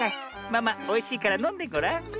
まあまあおいしいからのんでごらん。